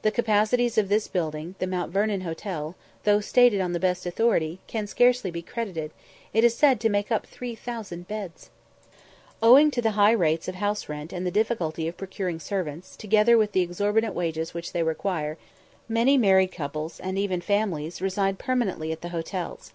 The capacities of this building, the Mount Vernon Hotel, though stated on the best authority, can scarcely be credited it is said to make up 3000 beds! Owing to the high rates of house rent and the difficulty of procuring servants, together with the exorbitant wages which they require, many married couples, and even families, reside permanently at the hotels.